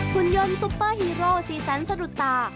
หุ่นยนต์ซุปเปอร์ฮีโรณ์ซีซันสดุตา